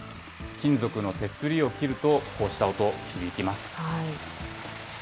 金属の手すりを切ると、こうした音、響きます。